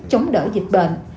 chống đỡ dịch bệnh